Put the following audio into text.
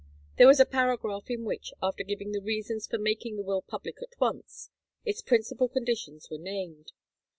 There was a paragraph in which, after giving the reasons for making the will public at once, its principal conditions were named.